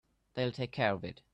They'll take care of it.